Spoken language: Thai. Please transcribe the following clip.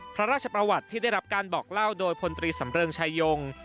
พระราชประวัติที่ได้รับการบอกเล่าโดยพลตรีสำเริงชายง